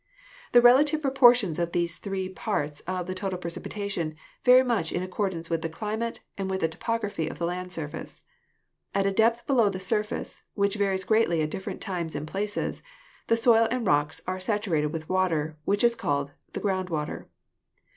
The relative proportions of these three parts of the total precipitation vary much in accordance with the climate and with the topography of the land surface. At a depth below the surface, which varies greatly at different times and places, the soil and rocks are saturated with water, which is called the ground water.